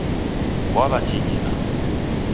Wawatighina